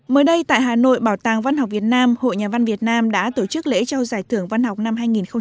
mới đây tại hà nội bảo tàng văn học việt nam hội nhà văn việt nam đã tổ chức lễ trao giải thưởng văn học năm hai nghìn hai mươi